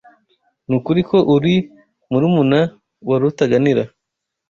Nukuri ko uri murumuna wa Rutaganira?